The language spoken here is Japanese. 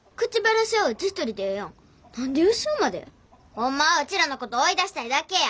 ほんまはうちらのこと追い出したいだけや！